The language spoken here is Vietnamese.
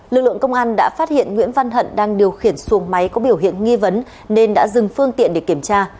lực lượng công an đã phát hiện nguyễn văn hận đang điều khiển xuồng máy có biểu hiện nghi vấn nên đã dừng phương tiện để kiểm tra